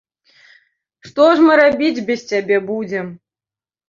Што ж мы рабіць без цябе будзем?